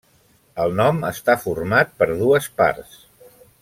El nom està format per dues parts.